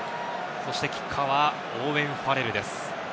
キッカーはオーウェン・ファレルです。